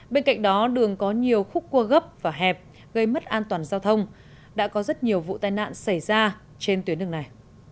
bên cạnh đó đường có nhiều khúc cua gấp và hẹp gây mất an toàn giao thông đã có rất nhiều vụ tai nạn xảy ra trên tuyến đường này